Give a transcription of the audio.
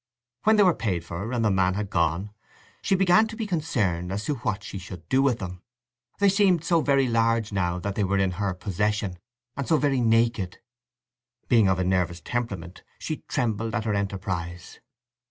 When they were paid for, and the man had gone, she began to be concerned as to what she should do with them. They seemed so very large now that they were in her possession, and so very naked. Being of a nervous temperament she trembled at her enterprise.